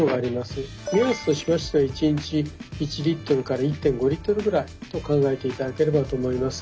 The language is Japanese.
目安としましては一日１Ｌから１．５Ｌぐらいと考えていただければと思います。